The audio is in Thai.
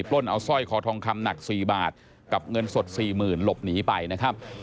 ปล้นเอาสร้อยคอทองคำหนัก๔บาทกับเงินสด๔๐๐๐หลบหนีไปนะครับ